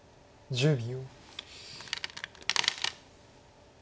１０秒。